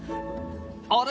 あれ？